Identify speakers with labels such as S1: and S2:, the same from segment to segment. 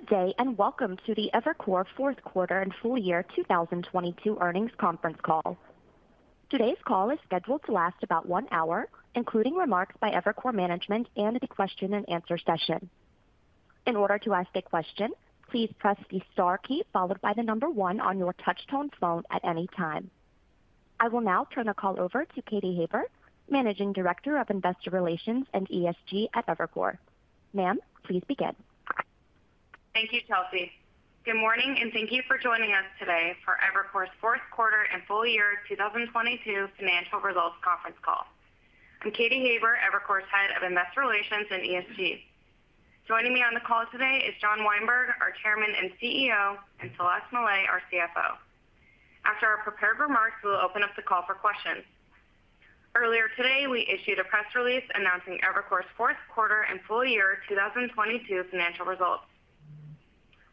S1: Good day. Welcome to the Evercore fourth quarter and full year 2022 earnings conference call. Today's call is scheduled to last about one hour, including remarks by Evercore management and the question and answer session. In order to ask a question, please press the star key followed by the number one on your touch-tone phone at any time. I will now turn the call over to Katy Haber, Managing Director of Investor Relations and ESG at Evercore. Ma'am, please begin.
S2: Thank you, Chelsea. Good morning, and thank you for joining us today for Evercore's fourth quarter and full year 2022 financial results conference call. I'm Katy Haber, Evercore's Head of Investor Relations and ESG. Joining me on the call today is John Weinberg, our Chairman and CEO, and Celeste Mellet, our CFO. After our prepared remarks, we will open up the call for questions. Earlier today, we issued a press release announcing Evercore's fourth quarter and full year 2022 financial results.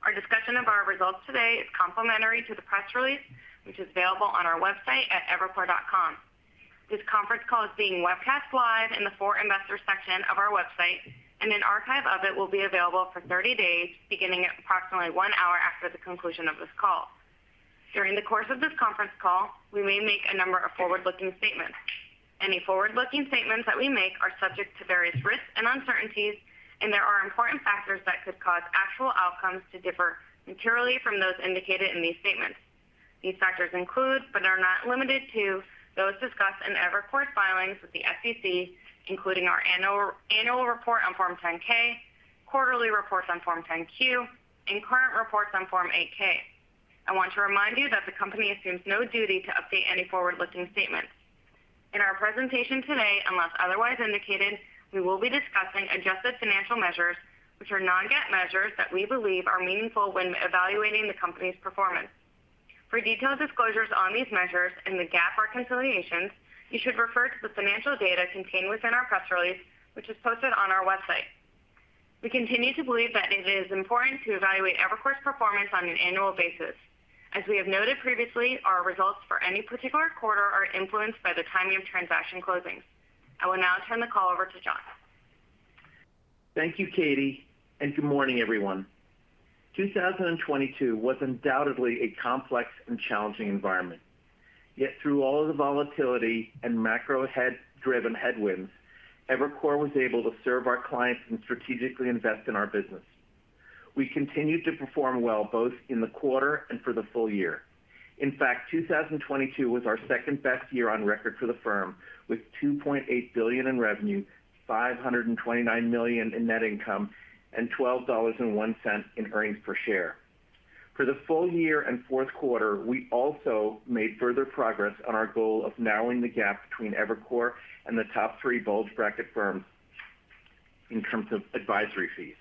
S2: Our discussion of our results today is complementary to the press release, which is available on our website at evercore.com. This conference call is being webcast live in the For Investors section of our website, and an archive of it will be available for 30 days, beginning at approximately one hour after the conclusion of this call. During the course of this conference call, we may make a number of forward-looking statements. Any forward-looking statements that we make are subject to various risks and uncertainties. There are important factors that could cause actual outcomes to differ materially from those indicated in these statements. These factors include, but are not limited to, those discussed in Evercore's filings with the SEC, including our annual report on Form 10-K, quarterly reports on Form 10-Q, and current reports on Form 8-K. I want to remind you that the company assumes no duty to update any forward-looking statements. In our presentation today, unless otherwise indicated, we will be discussing adjusted financial measures, which are non-GAAP measures that we believe are meaningful when evaluating the company's performance. For detailed disclosures on these measures and the GAAP reconciliations, you should refer to the financial data contained within our press release, which is posted on our website. We continue to believe that it is important to evaluate Evercore's performance on an annual basis. As we have noted previously, our results for any particular quarter are influenced by the timing of transaction closings. I will now turn the call over to John.
S3: Thank you, Katy, and good morning, everyone. 2022 was undoubtedly a complex and challenging environment. Yet through all of the volatility and macro-head driven headwinds, Evercore was able to serve our clients and strategically invest in our business. We continued to perform well both in the quarter and for the full year. In fact, 2022 was our second-best year on record for the firm, with $2.8 billion in revenue, $529 million in net income, and $12.01 in earnings per share. For the full year and fourth quarter, we also made further progress on our goal of narrowing the gap between Evercore and the top three bulge bracket firms in terms of advisory fees.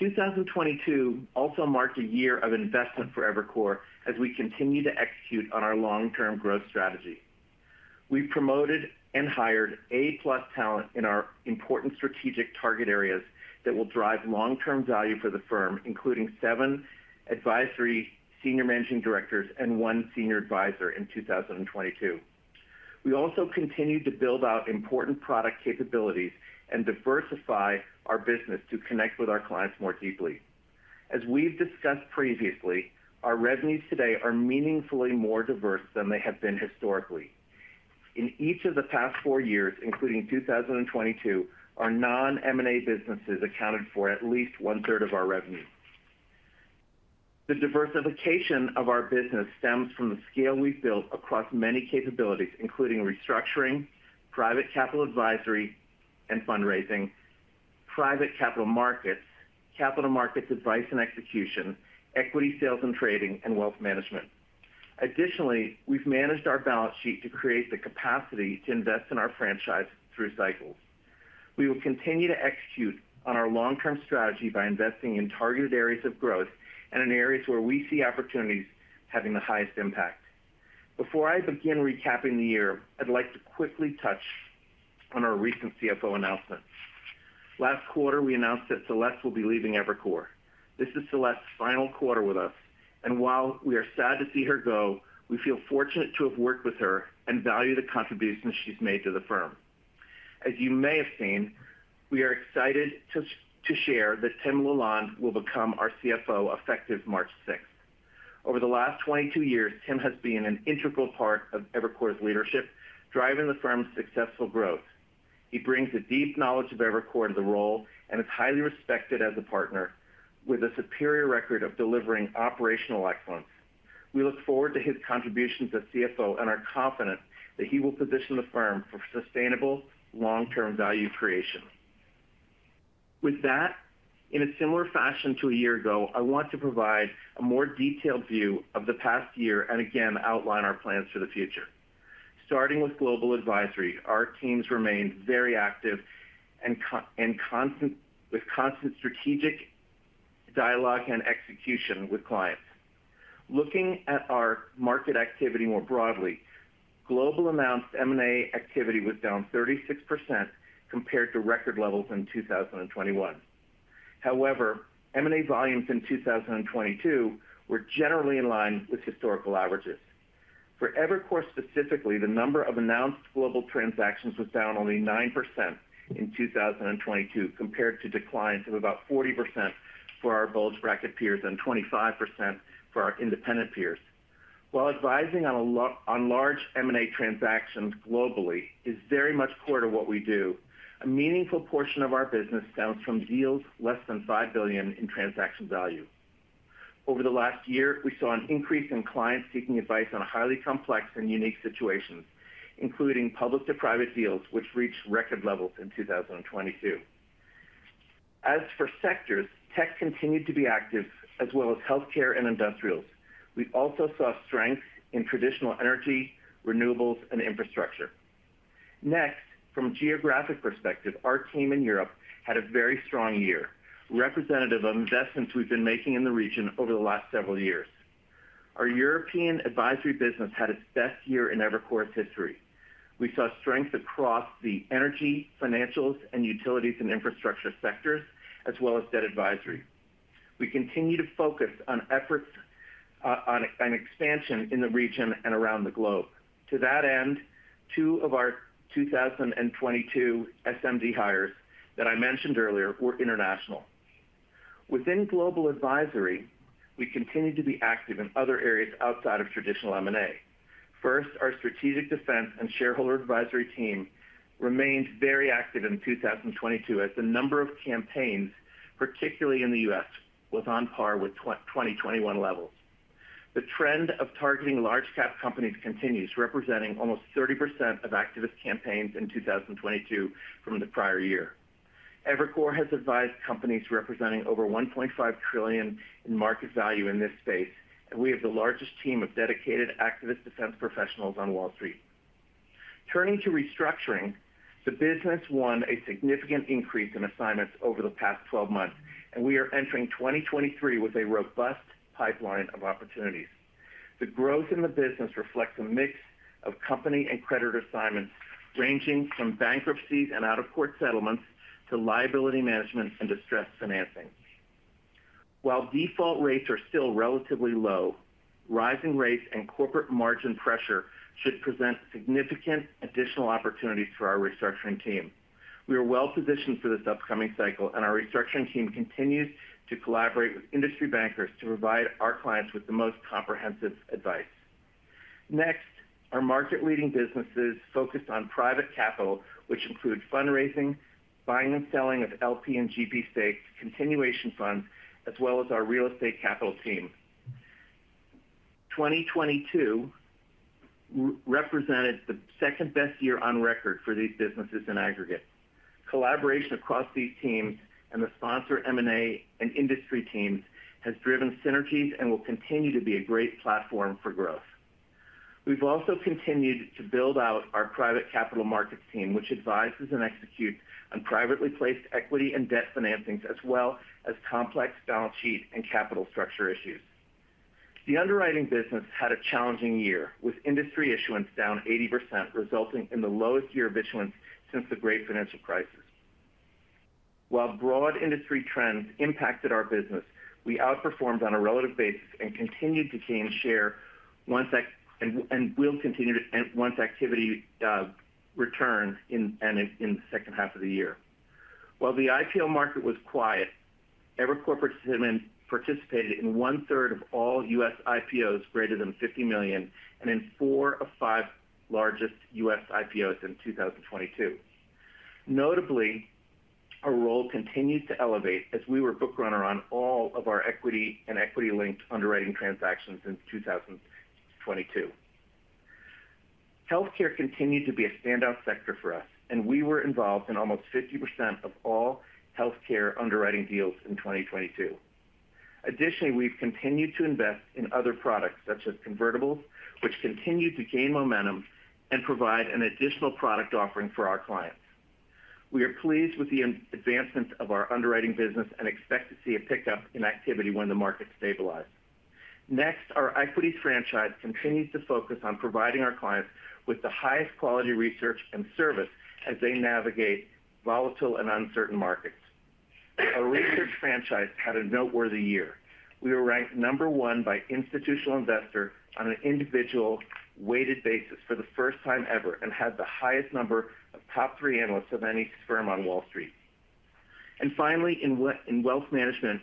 S3: 2022 also marked a year of investment for Evercore as we continue to execute on our long-term growth strategy. We promoted and hired seven advisory senior managing directors and one senior advisor in 2022. We also continued to build out important product capabilities and diversify our business to connect with our clients more deeply. As we've discussed previously, our revenues today are meaningfully more diverse than they have been historically. In each of the past four years, including 2022, our non-M&A businesses accounted for at least 1/3 of our revenue. The diversification of our business stems from the scale we've built across many capabilities, including restructuring, private capital advisory and fundraising, private capital markets, capital markets advice and execution, equity sales and trading, and wealth management. Additionally, we've managed our balance sheet to create the capacity to invest in our franchise through cycles. We will continue to execute on our long-term strategy by investing in targeted areas of growth and in areas where we see opportunities having the highest impact. Before I begin recapping the year, I'd like to quickly touch on our recent CFO announcement. Last quarter, we announced that Celeste will be leaving Evercore. This is Celeste's final quarter with us, and while we are sad to see her go, we feel fortunate to have worked with her and value the contributions she's made to the firm. As you may have seen, we are excited to share that Tim LaLonde will become our CFO effective March 6th. Over the last 22 years, Tim has been an integral part of Evercore's leadership, driving the firm's successful growth. He brings a deep knowledge of Evercore to the role and is highly respected as a partner with a superior record of delivering operational excellence. We look forward to his contributions as CFO and are confident that he will position the firm for sustainable long-term value creation. In a similar fashion to a year ago, I want to provide a more detailed view of the past year and again outline our plans for the future. Starting with global advisory, our teams remained very active and with constant strategic dialogue and execution with clients. Looking at our market activity more broadly, global announced M&A activity was down 36% compared to record levels in 2021. M&A volumes in 2022 were generally in line with historical averages. For Evercore specifically, the number of announced global transactions was down only 9% in 2022, compared to declines of about 40% for our bulge bracket peers and 25% for our independent peers. While advising on large M&A transactions globally is very much core to what we do, a meaningful portion of our business stems from deals less than $5 billion in transaction value. Over the last year, we saw an increase in clients seeking advice on highly complex and unique situations, including public to private deals which reached record levels in 2022. Tech continued to be active as well as healthcare and industrials. We also saw strength in traditional energy, renewables and infrastructure. Next, from a geographic perspective, our team in Europe had a very strong year, representative of investments we've been making in the region over the last several years. Our European advisory business had its best year in Evercore's history. We saw strength across the energy, financials and utilities and infrastructure sectors, as well as debt advisory. We continue to focus on efforts on, and expansion in the region and around the globe. To that end, two of our 2022 SMD hires that I mentioned earlier were international. Within global advisory, we continue to be active in other areas outside of traditional M&A. First, our strategic defense and shareholder advisory team remained very active in 2022 as the number of campaigns, particularly in the U.S., was on par with 2021 levels. The trend of targeting large-cap companies continues, representing almost 30% of activist campaigns in 2022 from the prior year. Evercore has advised companies representing over $1.5 trillion in market value in this space. We have the largest team of dedicated activist defense professionals on Wall Street. Turning to restructuring, the business won a significant increase in assignments over the past 12 months. We are entering 2023 with a robust pipeline of opportunities. The growth in the business reflects a mix of company and creditor assignments ranging from bankruptcies and out-of-court settlements to liability management and distressed financing. While default rates are still relatively low, rising rates and corporate margin pressure should present significant additional opportunities for our restructuring team. We are well-positioned for this upcoming cycle, and our restructuring team continues to collaborate with industry bankers to provide our clients with the most comprehensive advice. Next, our market-leading businesses focused on private capital, which include fundraising, buying and selling of LP and GP stakes, continuation funds, as well as our real estate capital team. 2022 represented the second-best year on record for these businesses in aggregate. Collaboration across these teams and the sponsor M&A and industry teams has driven synergies and will continue to be a great platform for growth. We've also continued to build out our private capital markets team, which advises and executes on privately placed equity and debt financings, as well as complex balance sheet and capital structure issues. The underwriting business had a challenging year, with industry issuance down 80%, resulting in the lowest year of issuance since the great financial crisis. While broad industry trends impacted our business, we outperformed on a relative basis and continued to gain share once activity returns in the second half of the year. While the IPO market was quiet, Evercore participated in 1/3 of all US IPOs greater than $50 million, and in four of five largest US IPOs in 2022. Notably, our role continued to elevate as we were book runner on all of our equity and equity-linked underwriting transactions in 2022. Healthcare continued to be a standout sector for us, we were involved in almost 50% of all healthcare underwriting deals in 2022. We've continued to invest in other products such as convertibles, which continue to gain momentum and provide an additional product offering for our clients. We are pleased with the advancements of our underwriting business and expect to see a pickup in activity when the market stabilizes. Next, our equities franchise continues to focus on providing our clients with the highest quality research and service as they navigate volatile and uncertain markets. Our research franchise had a noteworthy year. We were ranked number one by Institutional Investor on an individual weighted basis for the first time ever and had the highest number of top three analysts of any firm on Wall Street. Finally, in wealth management,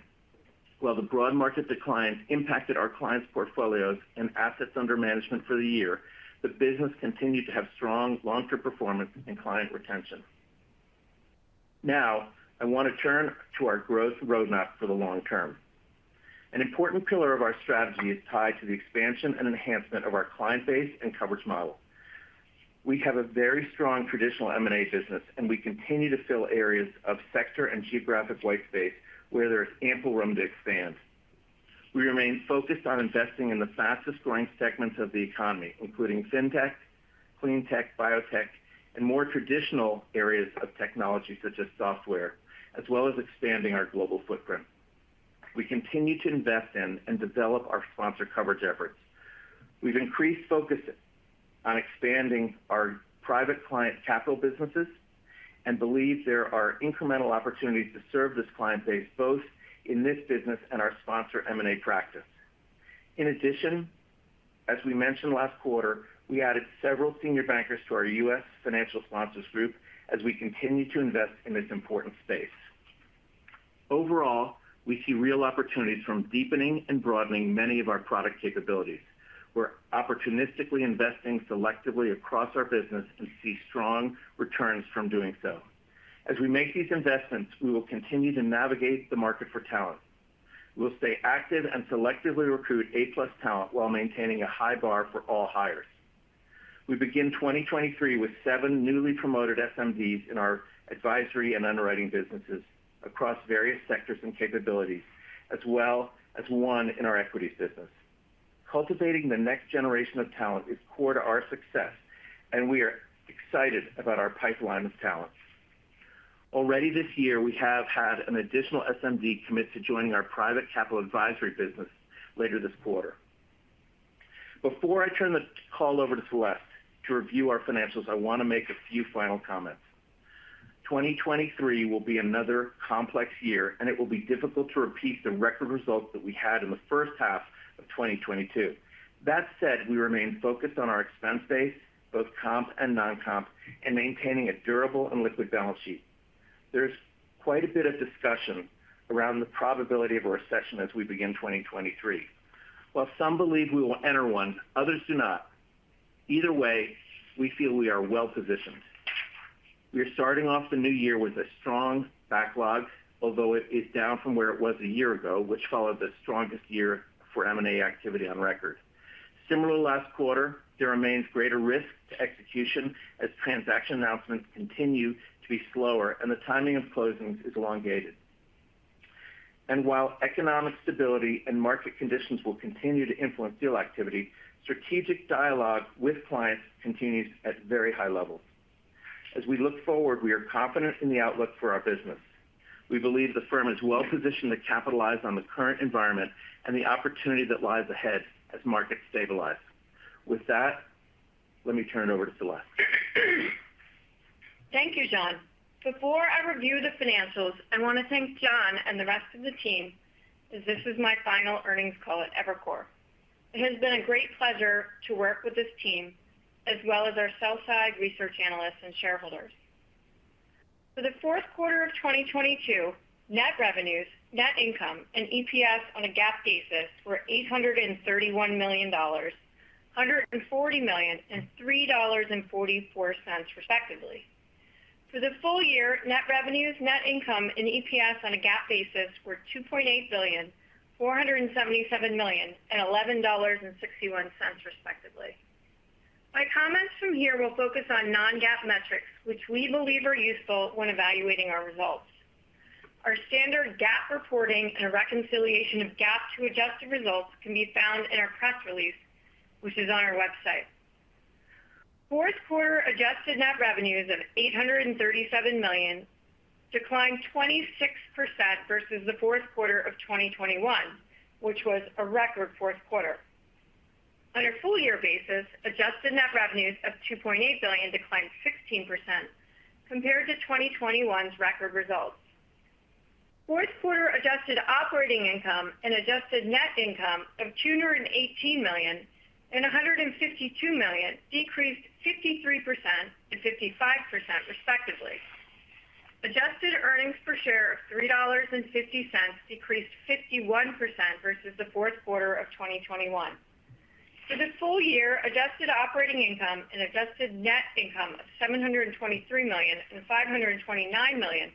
S3: while the broad market decline impacted our clients' portfolios and assets under management for the year, the business continued to have strong long-term performance and client retention. Now I want to turn to our growth roadmap for the long term. An important pillar of our strategy is tied to the expansion and enhancement of our client base and coverage model. We have a very strong traditional M&A business. We continue to fill areas of sector and geographic white space where there is ample room to expand. We remain focused on investing in the fastest growing segments of the economy, including Fintech, Cleantech, Biotech, and more traditional areas of technology such as software, as well as expanding our global footprint. We continue to invest in and develop our sponsor coverage efforts. We've increased focus on expanding our private client capital businesses and believe there are incremental opportunities to serve this client base, both in this business and our sponsor M&A practice. In addition, as we mentioned last quarter, we added several senior bankers to our U.S. financial sponsors group as we continue to invest in this important space. Overall, we see real opportunities from deepening and broadening many of our product capabilities. We're opportunistically investing selectively across our business and see strong returns from doing so. As we make these investments, we will continue to navigate the market for talent. We'll stay active and selectively recruit A+ talent while maintaining a high bar for all hires. We begin 2023 with seven newly promoted SMDs in our advisory and underwriting businesses across various sectors and capabilities, as well as one in our equities business. Cultivating the next generation of talent is core to our success, and we are excited about our pipeline of talent. Already this year, we have had an additional SMD commit to joining our private capital advisory business later this quarter. Before I turn the call over to Celeste to review our financials, I want to make a few final comments. 2023 will be another complex year. It will be difficult to repeat the record results that we had in the first half of 2022. That said, we remain focused on our expense base, both comp and non-comp, and maintaining a durable and liquid balance sheet. There's quite a bit of discussion around the probability of a recession as we begin 2023. While some believe we will enter one, others do not. Either way, we feel we are well-positioned. We are starting off the new year with a strong backlog, although it is down from where it was a year ago, which followed the strongest year for M&A activity on record. Last quarter, there remains greater risk to execution as transaction announcements continue to be slower and the timing of closings is elongated. While economic stability and market conditions will continue to influence deal activity, strategic dialogue with clients continues at very high levels. As we look forward, we are confident in the outlook for our business. We believe the firm is well-positioned to capitalize on the current environment and the opportunity that lies ahead as markets stabilize. With that, let me turn it over to Celeste.
S4: Thank you, John. Before I review the financials, I want to thank John and the rest of the team, as this is my final earnings call at Evercore. It has been a great pleasure to work with this team, as well as our sell side research analysts and shareholders. For the fourth quarter of 2022, net revenues, net income, and EPS on a GAAP basis were $831 million, $140 million, and $3.44, respectively. For the full year, net revenues, net income, and EPS on a GAAP basis were $2.8 billion, $477 million, and $11.61, respectively. My comments from here will focus on non-GAAP metrics, which we believe are useful when evaluating our results. Our standard GAAP reporting and a reconciliation of GAAP to adjusted results can be found in our press release, which is on our website. Fourth quarter adjusted net revenues of $837 million declined 26% versus the fourth quarter of 2021, which was a record fourth quarter. On a full year basis, adjusted net revenues of $2.8 billion declined 16% compared to 2021's record results. Fourth quarter adjusted operating income and adjusted net income of $218 million and $152 million decreased 53% and 55%, respectively. Adjusted earnings per share of $3.50 decreased 51% versus the fourth quarter of 2021. For the full year, adjusted operating income and adjusted net income of $723 million and $529 million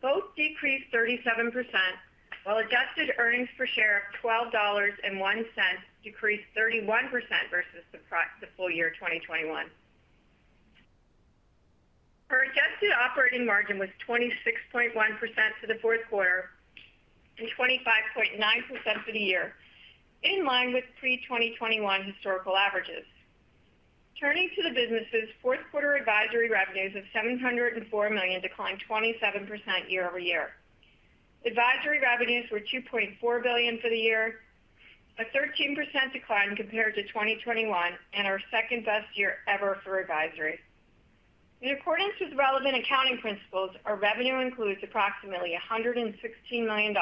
S4: both decreased 37%, while adjusted earnings per share of $12.01 decreased 31% versus the full year 2021. Our adjusted operating margin was 26.1% for the fourth quarter and 25.9% for the year, in line with pre-2021 historical averages. Turning to the businesses, fourth quarter advisory revenues of $704 million declined 27% year-over-year. Advisory revenues were $2.4 billion for the year, a 13% decline compared to 2021 and our second-best year ever for advisory. In accordance with relevant accounting principles, our revenue includes approximately $116 million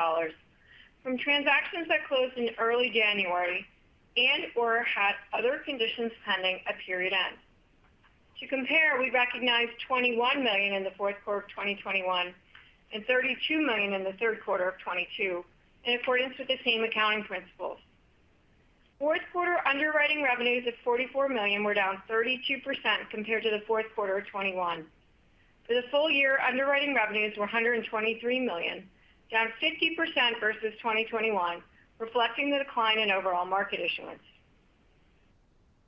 S4: from transactions that closed in early January and or had other conditions pending at period end. To compare, we recognized $21 million in the fourth quarter of 2021 and $32 million in the third quarter of 2022 in accordance with the same accounting principles. Fourth quarter underwriting revenues of $44 million were down 32% compared to the fourth quarter of 2021. For the full year, underwriting revenues were $123 million, down 50% versus 2021, reflecting the decline in overall market issuance.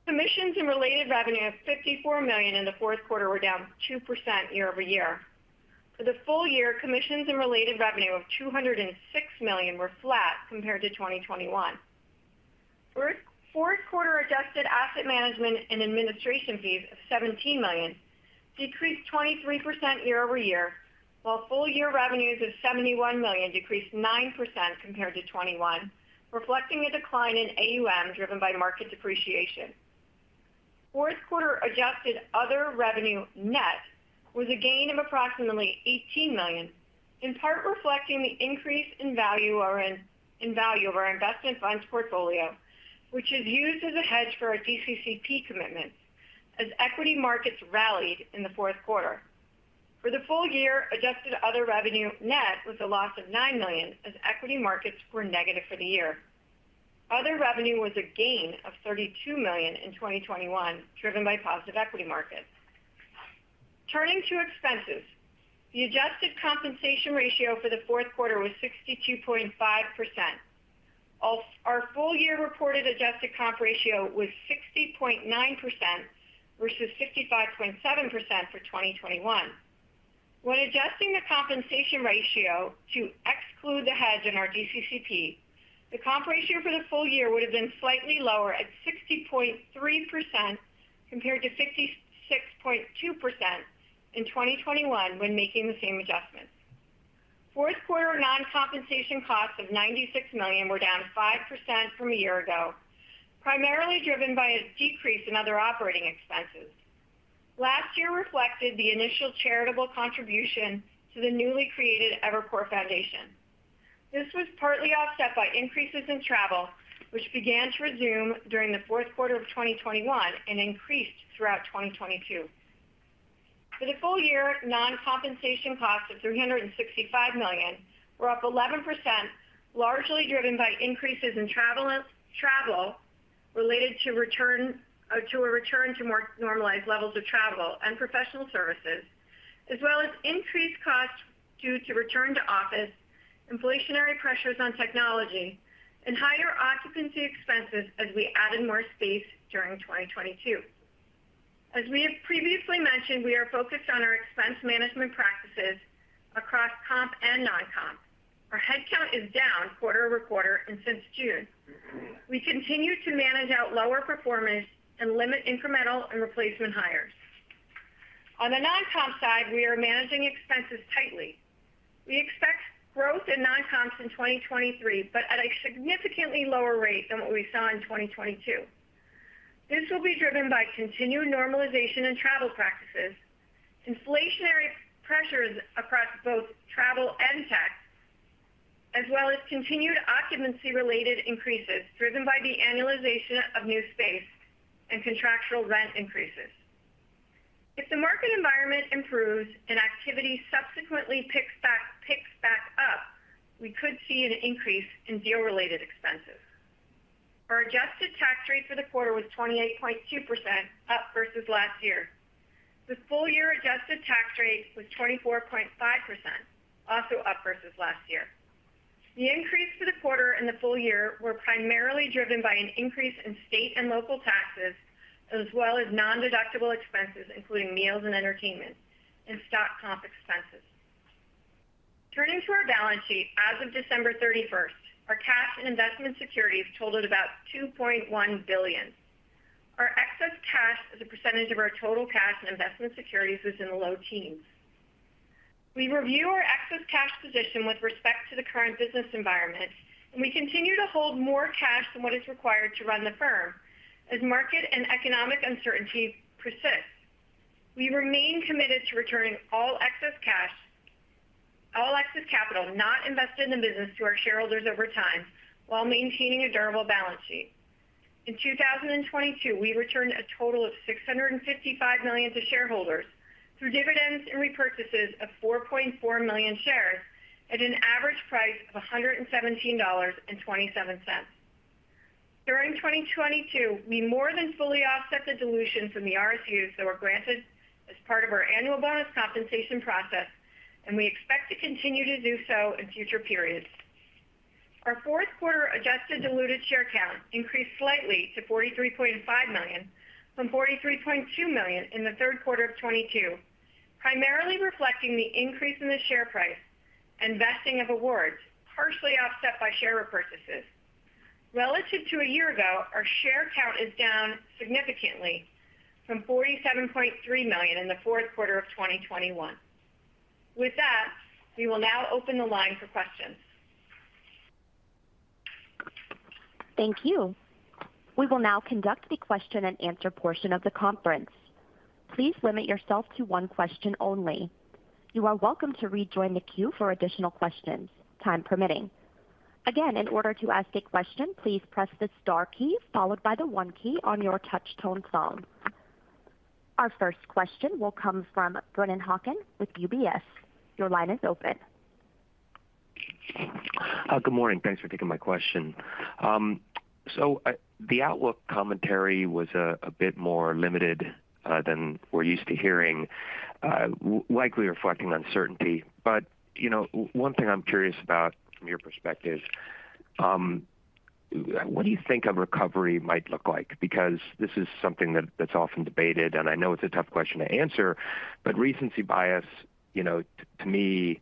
S4: Commissions and related revenue of $54 million in the fourth quarter were down 2% year-over-year. For the full year, commissions and related revenue of $206 million were flat compared to 2021. Fourth quarter adjusted asset management and administration fees of $17 million decreased 23% year-over-year, while full year revenues of $71 million decreased 9% compared to 2021, reflecting a decline in AUM driven by market depreciation. Fourth quarter adjusted other revenue net was a gain of approximately $18 million, in part reflecting the increase in value of our investment funds portfolio, which is used as a hedge for our DCCP commitments as equity markets rallied in the fourth quarter. For the full year, adjusted other revenue net was a loss of $9 million as equity markets were negative for the year. Other revenue was a gain of $32 million in 2021, driven by positive equity markets. Turning to expenses. The adjusted compensation ratio for the fourth quarter was 62.5%. Our full year reported adjusted comp ratio was 60.9% versus 55.7% for 2021. When adjusting the compensation ratio to exclude the hedge in our DCCP, the comp ratio for the full year would have been slightly lower at 60.3% compared to 56.2% in 2021 when making the same adjustments. Fourth quarter non-compensation costs of $96 million were down 5% from a year ago, primarily driven by a decrease in other operating expenses. Last year reflected the initial charitable contribution to the newly created Evercore Foundation. This was partly offset by increases in travel, which began to resume during the fourth quarter of 2021 and increased throughout 2022. For the full year, non-compensation costs of $365 million were up 11%, largely driven by increases in travel related to a return to more normalized levels of travel and professional services, as well as increased costs due to return to office, inflationary pressures on technology and higher occupancy expenses as we added more space during 2022. As we have previously mentioned, we are focused on our expense management practices across comp and non-comp. Our headcount is down quarter over quarter and since June. We continue to manage out lower performance and limit incremental and replacement hires. On the non-comp side, we are managing expenses tightly. We expect growth in non-comps in 2023, but at a significantly lower rate than what we saw in 2022. This will be driven by continued normalization in travel practices, inflationary pressures across both travel and tech, as well as continued occupancy-related increases driven by the annualization of new space and contractual rent increases. If the market environment improves and activity subsequently picks back up, we could see an increase in deal-related expenses. Our adjusted tax rate for the quarter was 28.2%, up versus last year. The full year adjusted tax rate was 24.5%, also up versus last year. The increase for the quarter and the full year were primarily driven by an increase in state and local taxes, as well as nondeductible expenses, including meals and entertainment and stock comp expenses. Turning to our balance sheet, as of December 31st, our cash and investment securities totaled about $2.1 billion. Our excess cash as a percentage of our total cash and investment securities was in the low teens. We review our excess cash position with respect to the current business environment. We continue to hold more cash than what is required to run the firm as market and economic uncertainty persists. We remain committed to returning all excess capital not invested in the business to our shareholders over time while maintaining a durable balance sheet. In 2022, we returned a total of $655 million to shareholders through dividends and repurchases of 4.4 million shares at an average price of $117.27. During 2022, we more than fully offset the dilution from the RSUs that were granted as part of our annual bonus compensation process. We expect to continue to do so in future periods. Our fourth quarter adjusted diluted share count increased slightly to 43.5 million from 43.2 million in the third quarter of 2022, primarily reflecting the increase in the share price and vesting of awards, partially offset by share repurchases. Relative to a year ago, our share count is down significantly from 47.3 million in the fourth quarter of 2021. With that, we will now open the line for questions.
S1: Thank you. We will now conduct the question and answer portion of the conference. Please limit yourself to one question only. You are welcome to rejoin the queue for additional questions, time permitting. Again, in order to ask a question, please press the star key followed by the one key on your touch tone phone. Our first question will come from Brennan Hawken with UBS. Your line is open.
S5: Good morning. Thanks for taking my question. The outlook commentary was a bit more limited than we're used to hearing, likely reflecting uncertainty. You know, one thing I'm curious about from your perspective, what do you think a recovery might look like? This is something that's often debated, I know it's a tough question to answer, recency bias, you know, to me,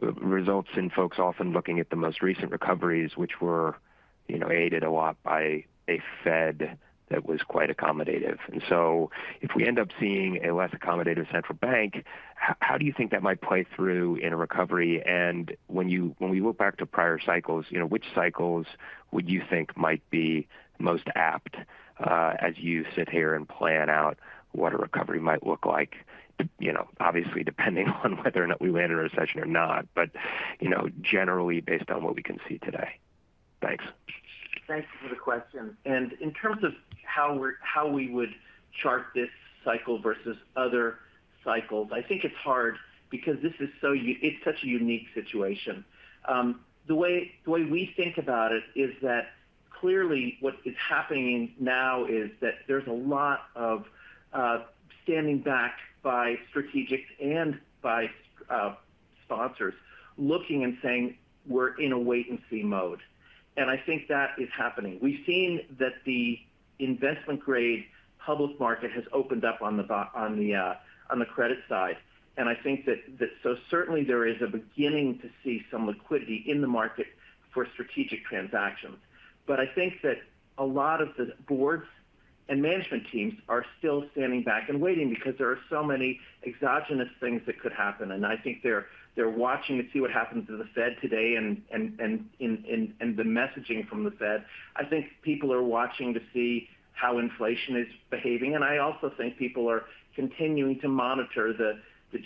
S5: results in folks often looking at the most recent recoveries, which were, you know, aided a lot by a Fed that was quite accommodative. If we end up seeing a less accommodative central bank, how do you think that might play through in a recovery? When we look back to prior cycles, you know, which cycles would you think might be most apt, as you sit here and plan out what a recovery might look like? You know, obviously, depending on whether or not we land in a recession or not, but, you know, generally based on what we can see today. Thanks.
S3: Thanks for the question. In terms of how we would chart this cycle versus other cycles, I think it's hard because this is so it's such a unique situation. The way we think about it is that clearly what is happening now is that there's a lot of standing back by strategics and by sponsors looking and saying, "We're in a wait-and-see mode." I think that is happening. We've seen that the investment-grade public market has opened up on the credit side, and I think that so certainly there is a beginning to see some liquidity in the market for strategic transactions. I think that a lot of the boards and management teams are still standing back and waiting because there are so many exogenous things that could happen. I think they're watching to see what happens to the Fed today and the messaging from the Fed. I think people are watching to see how inflation is behaving, and I also think people are continuing to monitor the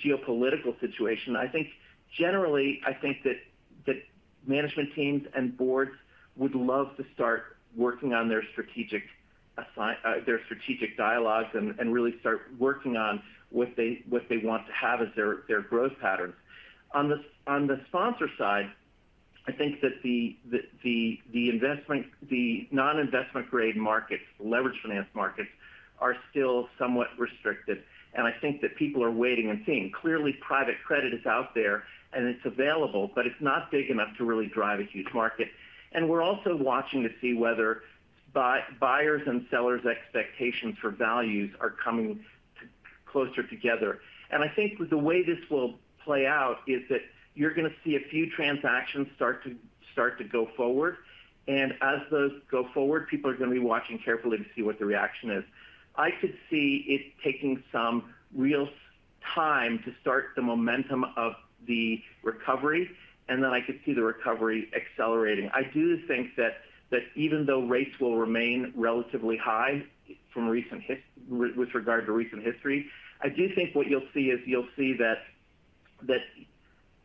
S3: geopolitical situation. I think generally, I think that management teams and boards would love to start working on their strategic dialogues and really start working on what they want to have as their growth patterns. On the sponsor side, I think that the non-investment grade markets, leverage finance markets, are still somewhat restricted, and I think that people are waiting and seeing. Clearly, private credit is out there and it's available, but it's not big enough to really drive a huge market. We're also watching to see whether buyers' and sellers' expectations for values are coming closer together. I think the way this will play out is that you're gonna see a few transactions start to go forward, and as those go forward, people are gonna be watching carefully to see what the reaction is. I could see it taking some real time to start the momentum of the recovery, and then I could see the recovery accelerating. I do think that even though rates will remain relatively high from recent with regard to recent history, I do think what you'll see is you'll see that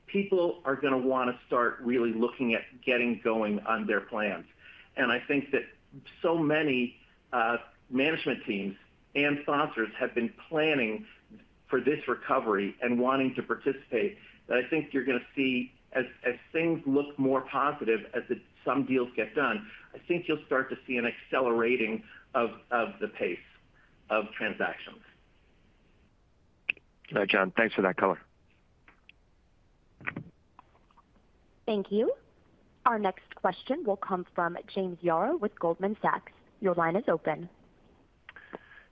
S3: people are gonna wanna start really looking at getting going on their plans. I think that so many management teams and sponsors have been planning for this recovery and wanting to participate that I think you're gonna see as things look more positive as some deals get done, I think you'll start to see an accelerating of the pace of transactions.
S5: All right, John, thanks for that color.
S1: Thank you. Our next question will come from James Yaro with Goldman Sachs. Your line is open.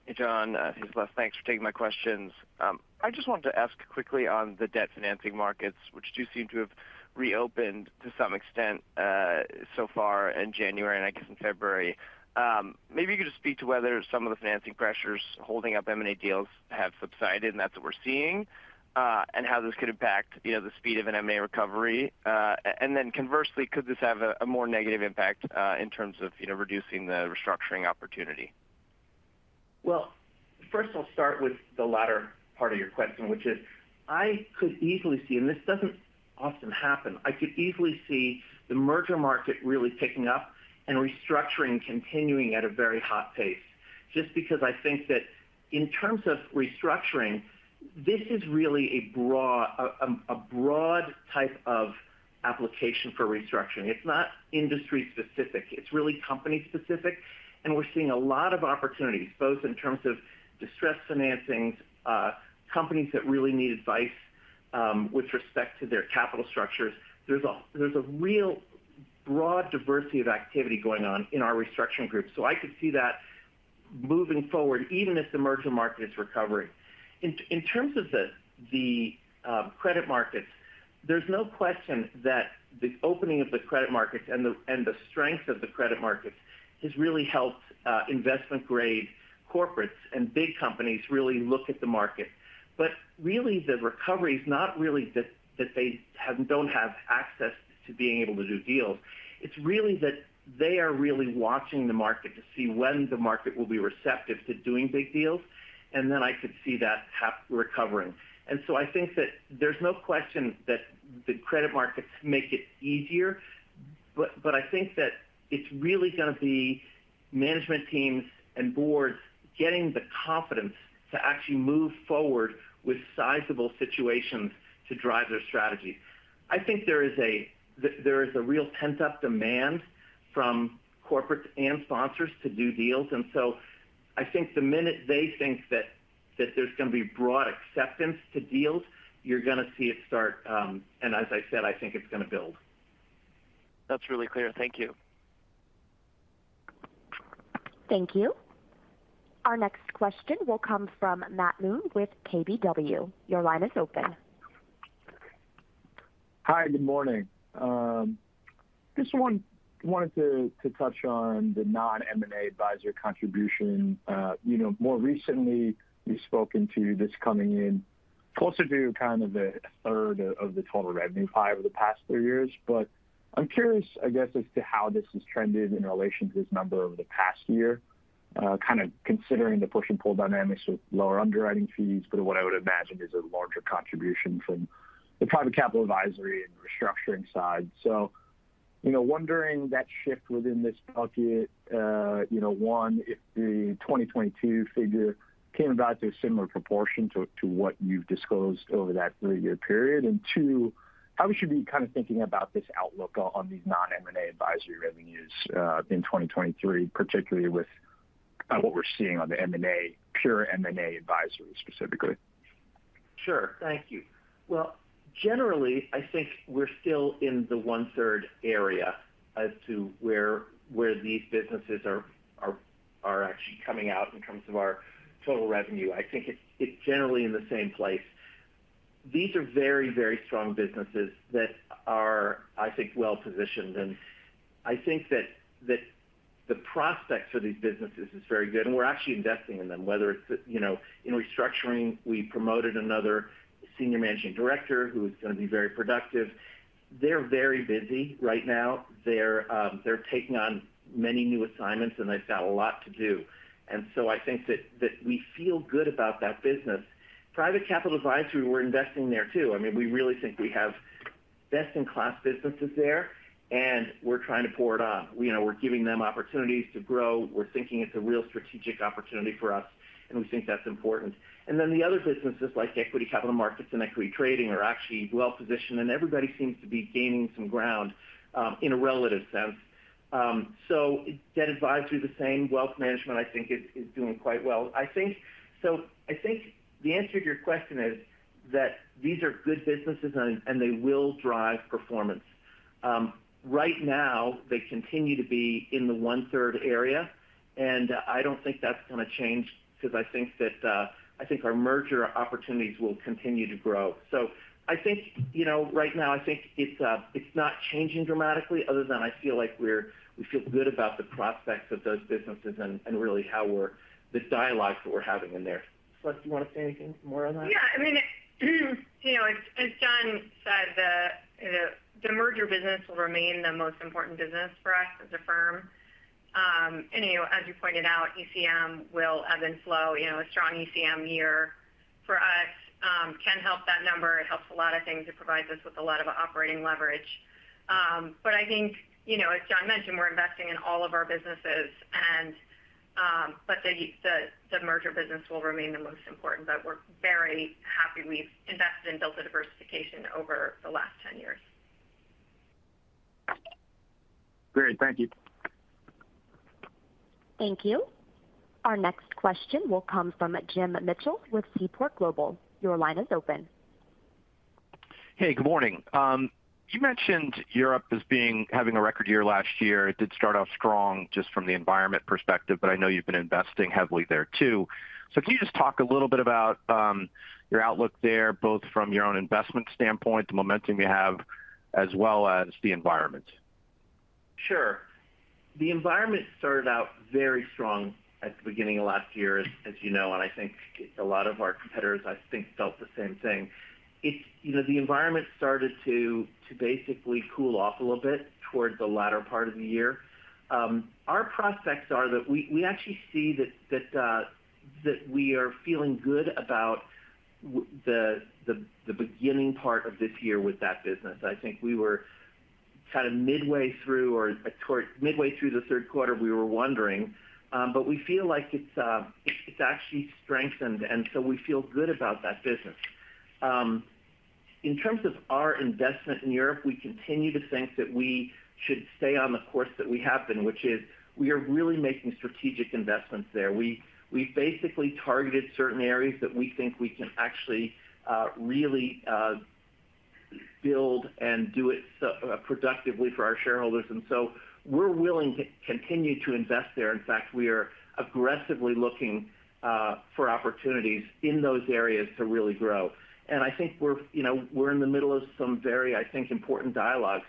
S6: Hey, John, thanks. Thanks for taking my questions. I just wanted to ask quickly on the debt financing markets, which do seem to have reopened to some extent, so far in January and I guess in February. Maybe you could just speak to whether some of the financing pressures holding up M&A deals have subsided, and that's what we're seeing, and how this could impact, you know, the speed of an M&A recovery. Then conversely, could this have a more negative impact in terms of, you know, reducing the restructuring opportunity?
S3: Well, first I'll start with the latter part of your question, which is I could easily see, and this doesn't often happen, I could easily see the merger market really picking up and restructuring continuing at a very hot pace, just because I think that in terms of restructuring, this is really a broad type of application for restructuring. It's not industry specific. It's really company specific, and we're seeing a lot of opportunities, both in terms of distressed financings, companies that really need advice, with respect to their capital structures. There's a real broad diversity of activity going on in our restructuring group. I could see that moving forward, even if the merger market is recovering. In terms of the credit markets, there's no question that the opening of the credit markets and the strength of the credit markets has really helped investment-grade corporates and big companies really look at the market. Really, the recovery is not really that they don't have access to being able to do deals. It's really that they are really watching the market to see when the market will be receptive to doing big deals, and then I could see that recovering. I think that there's no question that the credit markets make it easier, but I think that it's really gonna be management teams and boards getting the confidence to actually move forward with sizable situations to drive their strategy. I think there is a real pent-up demand from corporates and sponsors to do deals. I think the minute they think That there's gonna be broad acceptance to deals, you're gonna see it start. As I said, I think it's gonna build.
S5: That's really clear. Thank you.
S1: Thank you. Our next question will come from Matthew Moon with KBW. Your line is open.
S7: Hi, good morning. Just wanted to touch on the non-M&A advisory contribution. You know, more recently, we've spoken to this coming in closer to kind of a third of the total revenue pie over the past three years. I'm curious, I guess, as to how this has trended in relation to this number over the past year, kind of considering the push and pull dynamics with lower underwriting fees, but what I would imagine is a larger contribution from the private capital advisory and restructuring side. You know, wondering that shift within this bucket, you know, one, if the 2022 figure came about to a similar proportion to what you've disclosed over that three-year period. Two, how we should be kind of thinking about this outlook on these non-M&A advisory revenues, in 2023, particularly with, what we're seeing on the M&A, pure M&A advisory specifically.
S3: Sure. Thank you. Well, generally, I think we're still in the 1/3 area as to where these businesses are actually coming out in terms of our total revenue. I think it's generally in the same place. These are very strong businesses that are, I think, well-positioned. I think that the prospects for these businesses is very good, and we're actually investing in them. Whether it's, you know, in restructuring, we promoted another senior managing director who's gonna be very productive. They're very busy right now. They're taking on many new assignments, and they've got a lot to do. I think that we feel good about that business. Private capital advisory, we're investing there too. I mean, we really think we have best-in-class businesses there, and we're trying to pour it on. You know, we're giving them opportunities to grow. We're thinking it's a real strategic opportunity for us, and we think that's important. The other businesses like equity capital markets and equity trading are actually well-positioned, and everybody seems to be gaining some ground in a relative sense. Debt advisory the same. Wealth management, I think is doing quite well. I think the answer to your question is that these are good businesses and they will drive performance. Right now, they continue to be in the 1/3 area. I don't think that's gonna change because I think that I think our merger opportunities will continue to grow. I think, you know, right now I think it's not changing dramatically other than I feel like we feel good about the prospects of those businesses and really how this dialogue that we're having in there. Celeste, do you want to say anything more on that?
S4: Yeah. I mean, you know, as John said, the merger business will remain the most important business for us as a firm. You know, as you pointed out, ECM will ebb and flow. You know, a strong ECM year for us can help that number. It helps a lot of things. It provides us with a lot of operating leverage. I think, you know, as John mentioned, we're investing in all of our businesses and, but the merger business will remain the most important. We're very happy we've invested and built the diversification over the last 10 years.
S7: Great. Thank you.
S1: Thank you. Our next question will come from James Mitchell with Seaport Global. Your line is open.
S8: Hey, good morning. You mentioned Europe having a record year last year. It did start off strong just from the environment perspective, but I know you've been investing heavily there too. Can you just talk a little bit about your outlook there, both from your own investment standpoint, the momentum you have, as well as the environment?
S3: Sure. The environment started out very strong at the beginning of last year, as you know, and I think a lot of our competitors, I think, felt the same thing. It's. You know, the environment started to basically cool off a little bit towards the latter part of the year. Our prospects are that we actually see that we are feeling good about the beginning part of this year with that business. I think we were kind of midway through the third quarter, we were wondering, but we feel like it's actually strengthened, and so we feel good about that business. In terms of our investment in Europe, we continue to think that we should stay on the course that we have been, which is we are really making strategic investments there. We basically targeted certain areas that we think we can actually really build and do it productively for our shareholders, we're willing to continue to invest there. In fact, we are aggressively looking for opportunities in those areas to really grow. I think we're, you know, we're in the middle of some very, I think, important dialogues.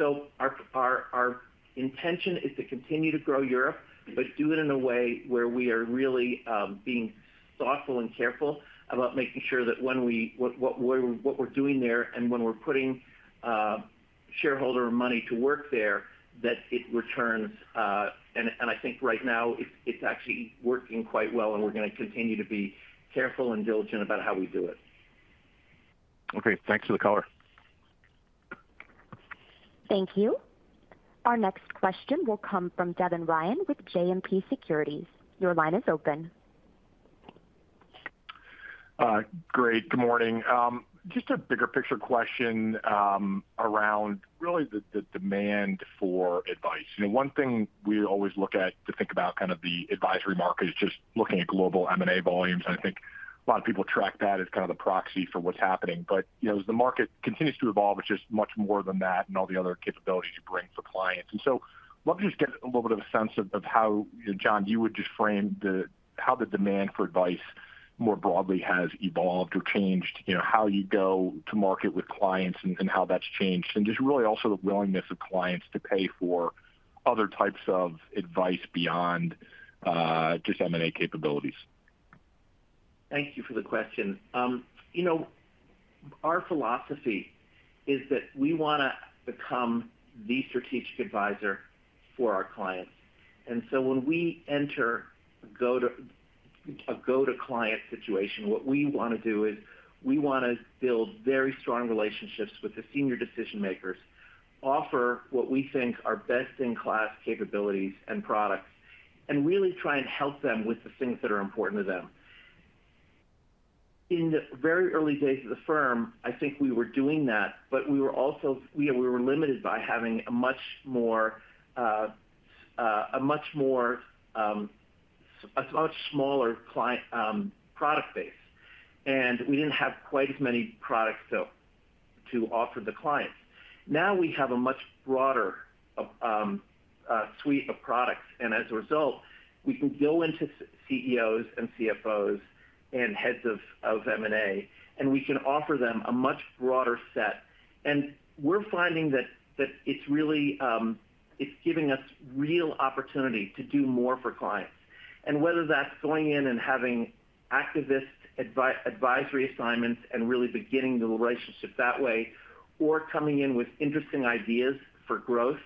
S3: Our, our intention is to continue to grow Europe, but do it in a way where we are really being thoughtful and careful about making sure that when we what we're doing there and when we're putting shareholder money to work there, that it returns. I think right now it's actually working quite well, and we're gonna continue to be careful and diligent about how we do it.
S8: Okay. Thanks for the color.
S1: Thank you. Our next question will come from Devin Ryan with JMP Securities. Your line is open.
S9: Great. Good morning. Just a bigger picture question, around really the demand for advice. You know, one thing we always look at to think about kind of the advisory market is just looking at global M&A volumes, and I think a lot of people track that as kind of the proxy for what's happening. You know, as the market continues to evolve, it's just much more than that and all the other capabilities you bring for clients. Love to just get a little bit of a sense of how, you know, John, you would just frame how the demand for advice more broadly has evolved or changed. You know, how you go to market with clients and how that's changed. Just really also the willingness of clients to pay for other types of advice beyond just M&A capabilities.
S3: Thank you for the question. You know, our philosophy is that we wanna become the strategic advisor for our clients. So when we enter a go-to-client situation, what we wanna do is we wanna build very strong relationships with the senior decision-makers, offer what we think are best-in-class capabilities and products, and really try and help them with the things that are important to them. In the very early days of the firm, I think we were doing that, but we were also limited by having a much more, a much smaller client, product base, and we didn't have quite as many products to offer the clients. Now we have a much broader suite of products. As a result, we can go into CEOs and CFOs and heads of M&A, and we can offer them a much broader set. We're finding that it's really giving us real opportunity to do more for clients. Whether that's going in and having activist advisory assignments and really beginning the relationship that way or coming in with interesting ideas for growth,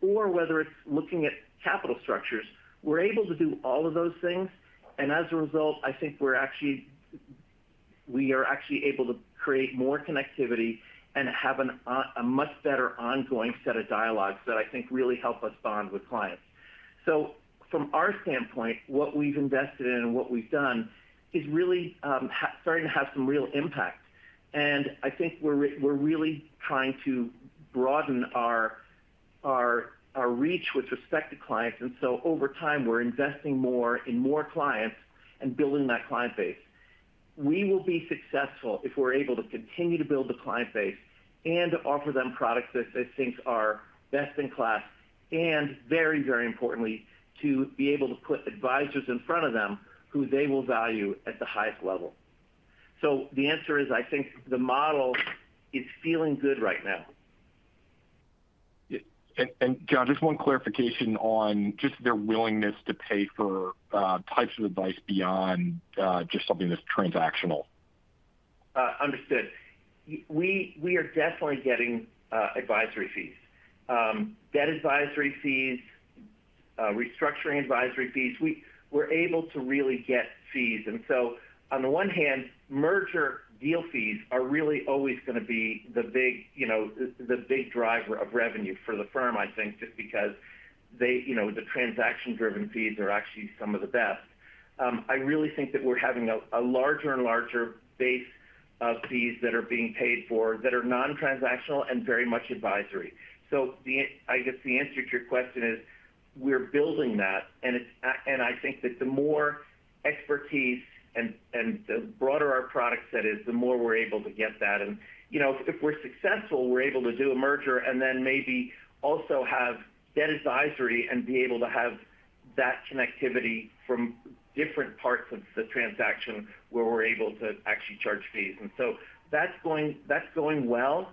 S3: or whether it's looking at capital structures, we're able to do all of those things. As a result, I think we are actually able to create more connectivity and have a much better ongoing set of dialogues that I think really help us bond with clients. From our standpoint, what we've invested in and what we've done is really starting to have some real impact. I think we're really trying to broaden our reach with respect to clients. Over time, we're investing more in more clients and building that client base. We will be successful if we're able to continue to build the client base and offer them products that they think are best in class, and very, very importantly, to be able to put advisors in front of them who they will value at the highest level. The answer is, I think the model is feeling good right now.
S9: Yeah. John, just one clarification on just their willingness to pay for types of advice beyond just something that's transactional.
S3: Understood. We are definitely getting advisory fees. Debt advisory fees, restructuring advisory fees. We're able to really get fees. On the one hand, merger deal fees are really always gonna be the big, you know, the big driver of revenue for the firm, I think, just because they. You know, the transaction-driven fees are actually some of the best. I really think that we're having a larger and larger base of fees that are being paid for that are non-transactional and very much advisory. I guess the answer to your question is, we're building that, and I think that the more expertise and the broader our product set is, the more we're able to get that. You know, if we're successful, we're able to do a merger and then maybe also have debt advisory and be able to have that connectivity from different parts of the transaction where we're able to actually charge fees. That's going well.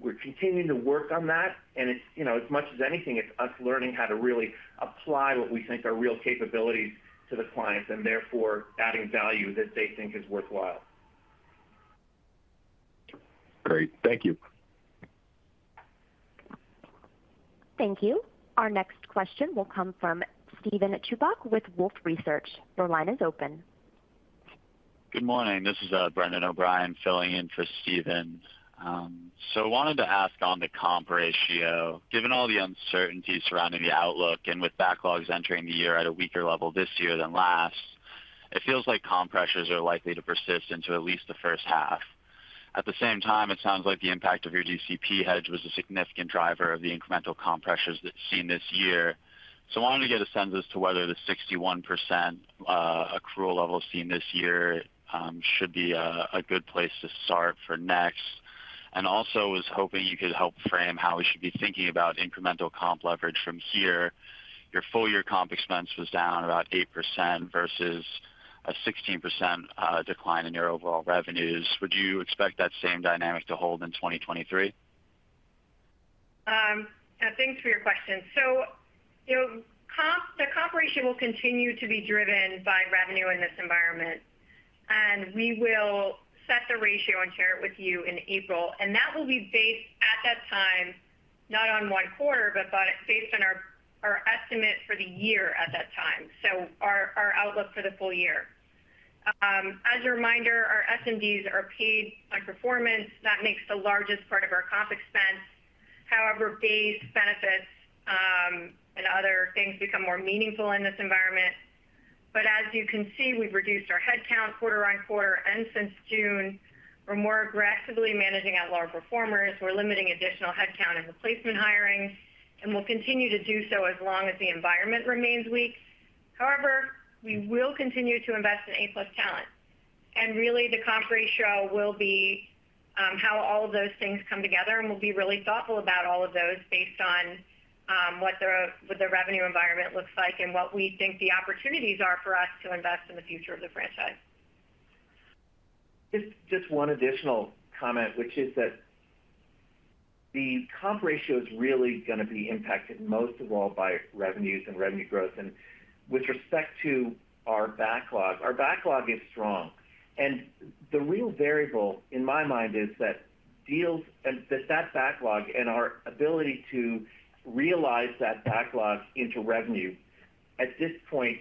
S3: We're continuing to work on that. It's, you know, as much as anything, it's us learning how to really apply what we think are real capabilities to the clients and therefore adding value that they think is worthwhile.
S9: Great. Thank you.
S1: Thank you. Our next question will come from Steven Chubak with Wolfe Research. Your line is open.
S10: Good morning. This is Brendan O'Brien filling in for Steven. Wanted to ask on the comp ratio, given all the uncertainty surrounding the outlook and with backlogs entering the year at a weaker level this year than last, it feels like comp pressures are likely to persist into at least the first half. At the same time, it sounds like the impact of your DCCP hedge was a significant driver of the incremental comp pressures seen this year. I wanted to get a sense as to whether the 61% accrual level seen this year should be a good place to start for next. Also was hoping you could help frame how we should be thinking about incremental comp leverage from here. Your full year comp expense was down about 8% versus a 16% decline in your overall revenues. Would you expect that same dynamic to hold in 2023?
S4: Thanks for your question. You know, the comp ratio will continue to be driven by revenue in this environment, and we will set the ratio and share it with you in April. That will be based at that time, not on one quarter, but based on our estimate for the year at that time. Our outlook for the full year. As a reminder, our SMDs are paid on performance. That makes the largest part of our comp expense. However, base benefits Things become more meaningful in this environment. As you can see, we've reduced our head count quarter on quarter, and since June we're more aggressively managing out lower performers. We're limiting additional head count and replacement hiring, and we'll continue to do so as long as the environment remains weak. However, we will continue to invest in A+ talent. Really the comp ratio will be how all of those things come together, and we'll be really thoughtful about all of those based on what the revenue environment looks like and what we think the opportunities are for us to invest in the future of the franchise.
S3: Just one additional comment, which is that the comp ratio is really gonna be impacted most of all by revenues and revenue growth. With respect to our backlog, our backlog is strong. The real variable in my mind is that deals and that backlog and our ability to realize that backlog into revenue at this point,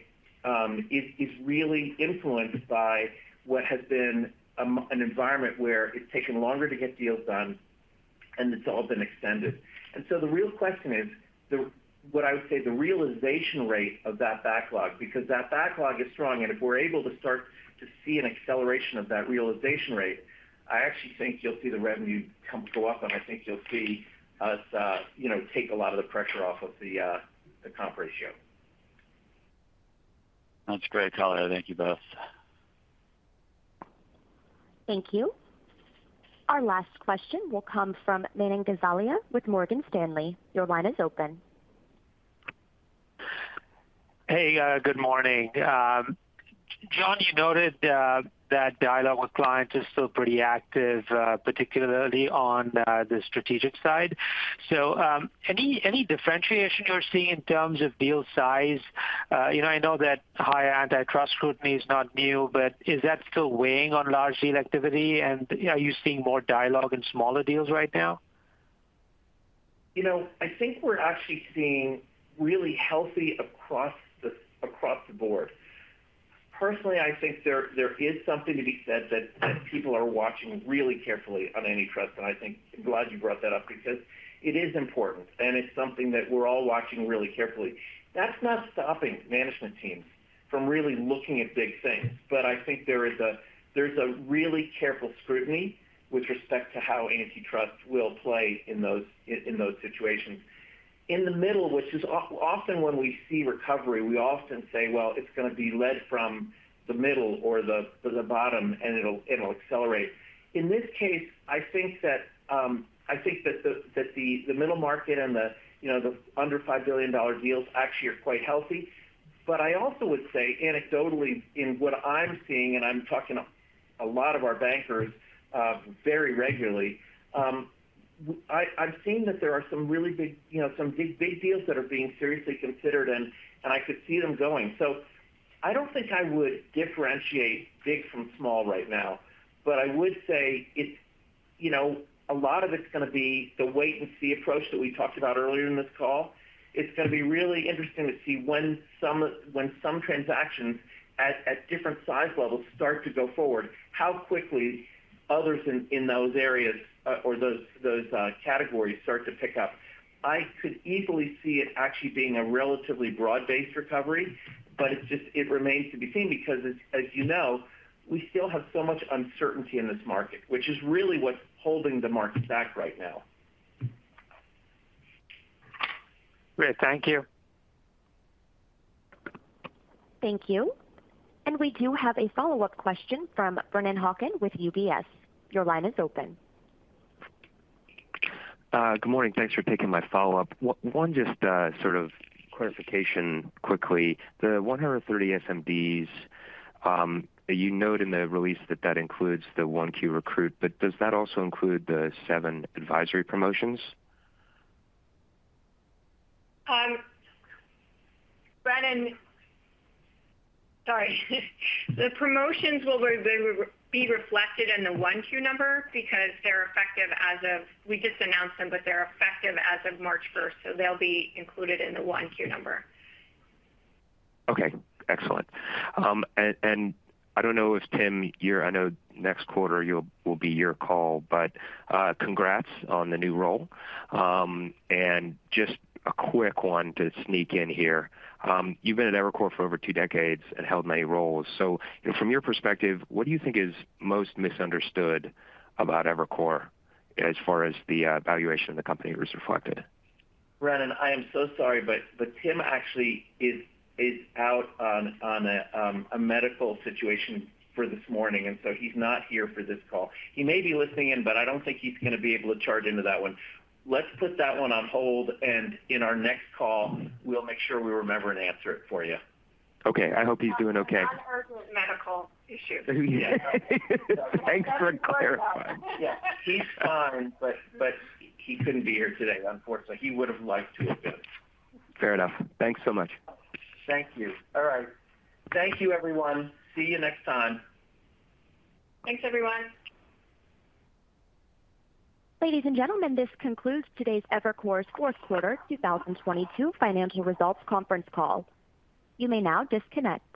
S3: is really influenced by what has been an environment where it's taken longer to get deals done and it's all been extended. The real question is the what I would say the realization rate of that backlog, because that backlog is strong, and if we're able to start to see an acceleration of that realization rate, I actually think you'll see the revenue go up, and I think you'll see us, you know, take a lot of the pressure off of the comp ratio.
S10: That's great. Celeste, thank you both.
S1: Thank you. Our last question will come from Manan Gosalia with Morgan Stanley. Your line is open.
S11: Hey, good morning. John, you noted that dialogue with clients is still pretty active, particularly on the strategic side. Any differentiation you're seeing in terms of deal size? You know, I know that higher antitrust scrutiny is not new, but is that still weighing on large deal activity? You know, are you seeing more dialogue in smaller deals right now?
S3: You know, I think we're actually seeing really healthy across the board. Personally, I think there is something to be said that people are watching really carefully on antitrust, and I think I'm glad you brought that up because it is important, and it's something that we're all watching really carefully. That's not stopping management teams from really looking at big things. I think there is a, there's a really careful scrutiny with respect to how antitrust will play in those, in those situations. In the middle, which is often when we see recovery, we often say, well, it's gonna be led from the middle or the bottom, and it'll accelerate. In this case, I think that I think that the middle market and the, you know, the under $5 billion deals actually are quite healthy. I also would say anecdotally in what I'm seeing, and I'm talking a lot of our bankers, very regularly, I'm seeing that there are some really big, you know, some big deals that are being seriously considered, and I could see them going. I don't think I would differentiate big from small right now, but I would say it's, you know, a lot of it's gonna be the wait and see approach that we talked about earlier in this call. It's gonna be really interesting to see when some transactions at different size levels start to go forward, how quickly others in those areas, or those categories start to pick up. I could easily see it actually being a relatively broad-based recovery, but it just, it remains to be seen because as you know, we still have so much uncertainty in this market, which is really what's holding the market back right now.
S11: Great. Thank you.
S1: Thank you. We do have a follow-up question from Brennan Hawken with UBS. Your line is open.
S5: Good morning. Thanks for taking my follow-up. One just sort of clarification quickly. The 130 SMBs, you note in the release that that includes the 1Q recruit, but does that also include the seven advisory promotions?
S4: Brennan. Sorry. The promotions will be reflected in the 1Q number because they're effective as of we just announced them, but they're effective as of March 1st, so they'll be included in the 1Q number.
S5: Okay. Excellent. I don't know if Tim, I know next quarter will be your call, but, congrats on the new role. Just a quick one to sneak in here. You've been at Evercore for over two decades and held many roles. You know, from your perspective, what do you think is most misunderstood about Evercore as far as the, valuation of the company is reflected?
S3: Brennan, I am so sorry, but Tim actually is out on a medical situation for this morning, and so he's not here for this call. He may be listening in, but I don't think he's gonna be able to charge into that one. Let's put that one on hold, and in our next call we'll make sure we remember and answer it for you.
S5: Okay. I hope he's doing okay.
S4: Non-urgent medical issue.
S5: Yeah. Thanks for clarifying.
S3: Yeah. He's fine, but he couldn't be here today, unfortunately. He would've liked to have been.
S5: Fair enough. Thanks so much.
S3: Thank you. All right. Thank you everyone. See you next time.
S4: Thanks, everyone.
S1: Ladies and gentlemen, this concludes today's Evercore's fourth quarter 2022 financial results conference call. You may now disconnect.